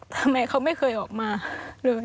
ทำไมเขาไม่เคยออกมาเลย